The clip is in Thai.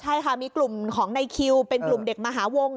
ใช่ค่ะมีกลุ่มของในคิวเป็นกลุ่มเด็กมหาวง